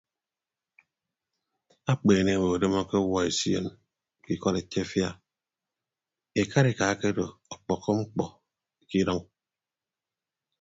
Akpeene obodom akewuọ esion ke ikọdetefia ekarika akedo ọkpọkkọ mkpọ ke idʌñ.